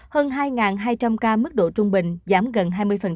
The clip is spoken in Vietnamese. hơn hai hai trăm linh ca mức độ trung bình giảm gần hai mươi